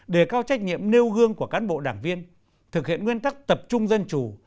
đề cao trách nhiệm nêu gương của cán bộ đảng viên thực hiện nguyên tắc tập trung dân chủ